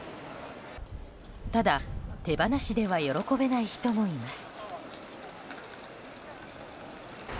ただ、手放しでは喜べない人もいます。